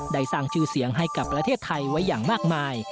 ได้สร้างชื่อเสียงให้กับประเทศไทยไว้อย่างมากมาย